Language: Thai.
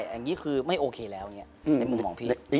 อย่างนี้คือไม่โอเคแล้วในมุมของพี่เล็ก